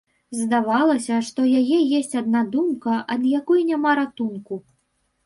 Здавалася, што яе есць адна думка, ад якой няма ратунку.